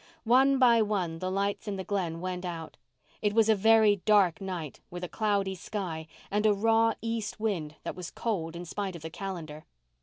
One by one the lights in the Glen went out. It was a very dark night, with a cloudy sky, and a raw east wind that was cold in spite of the calendar.